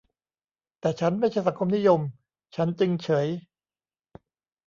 แต่ฉันไม่ใช่สังคมนิยม ฉันจึงเฉย